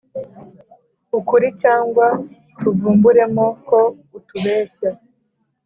ukuri cyangwa tuvumburemo ko utubeshya.